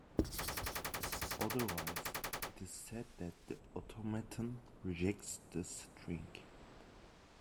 Otherwise, it is said that the automaton "rejects" the string.